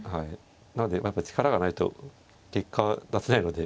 なので力がないと結果出せないので。